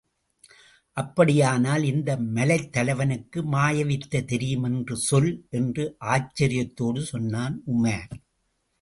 அப்படியானால், இந்த மலைத் தலைவனுக்கு மாயவித்தை தெரியும் என்று சொல் என்று ஆச்சரியத்தோடு சொன்னான் உமார்.